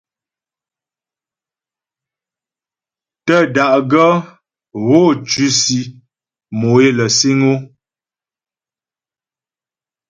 Tə́ da'gaə́ gho tʉsì mò é lə siŋ o.